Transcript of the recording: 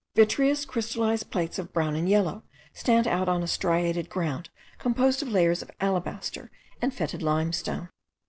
Vitreous crystallized plates of brown and yellow stand out on a striated ground composed of layers of alabaster and fetid limestone.